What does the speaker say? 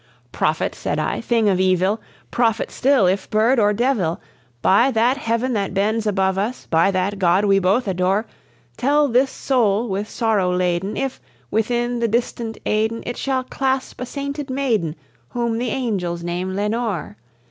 "Prophet," said I, "thing of evil! prophet still if bird or devil! By that heaven that bends above us by that God we both adore Tell this soul, with sorrow laden, if, within the distant Aiden It shall clasp a sainted maiden, whom the angels name Lenore!